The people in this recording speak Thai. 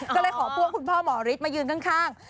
ก็เลยขอพวกคุณพ่อหมอฤทธิมายืนข้าง